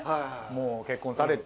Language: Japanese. もう結婚されて。